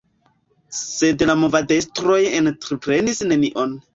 Sed la movadestroj entreprenis nenion.